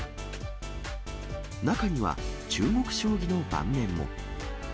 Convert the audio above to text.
中には、中国将棋の盤面も。